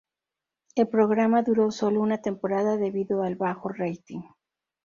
El programa duró sólo una temporada debido al bajo rating.